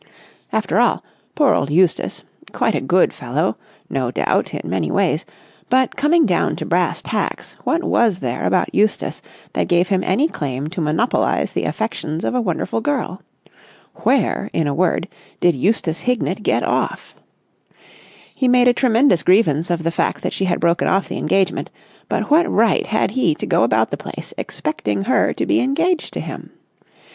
After all ... poor old Eustace ... quite a good fellow, no doubt in many ways ... but, coming down to brass tacks, what was there about Eustace that gave him any claim to monopolise the affections of a wonderful girl? Where, in a word, did Eustace Hignett get off? He made a tremendous grievance of the fact that she had broken off the engagement, but what right had he to go about the place expecting her to be engaged to him?